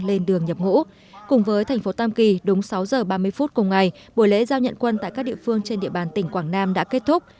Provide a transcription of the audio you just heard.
lên đường nhập ngũ cùng với thành phố tam kỳ đúng sáu giờ ba mươi phút cùng ngày buổi lễ giao nhận quân tại các địa phương trên địa bàn tỉnh quảng nam đã kết thúc